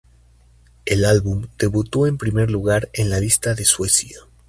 El álbum debutó en primer lugar en la lista de Suecia.